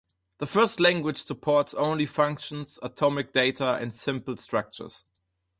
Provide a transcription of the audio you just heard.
The first language supports only functions, atomic data and simple structures.